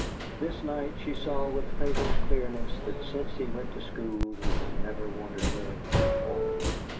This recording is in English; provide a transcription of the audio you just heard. This night she saw with fatal clearness that since he went to school he had never wanted her at all.